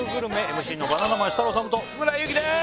ＭＣのバナナマン設楽統と日村勇紀です